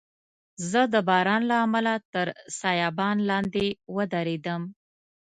زه د باران له امله تر سایبان لاندي ودریدم.